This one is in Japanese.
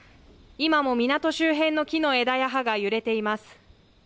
今も港周辺の木の枝や葉が揺れています。